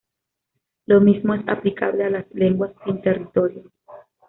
Lo mismo es aplicable a las "lenguas sin territorio".